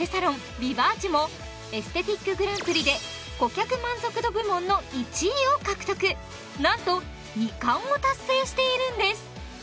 美ｖａｃｅもエステティックグランプリで顧客満足度部門の１位を獲得なんと２冠を達成しているんです